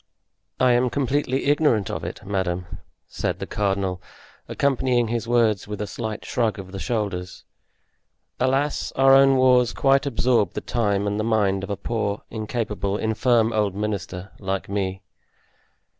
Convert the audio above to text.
"I am completely ignorant of it, madame," said the cardinal, accompanying his words with a slight shrug of the shoulders; "alas, our own wars quite absorb the time and the mind of a poor, incapable, infirm old minister like me."